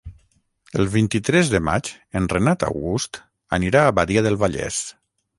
El vint-i-tres de maig en Renat August anirà a Badia del Vallès.